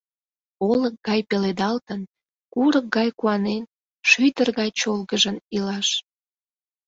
Олык гай пеледалтын, курык гай куанен, шӱдыр гай чолгыжын илаш...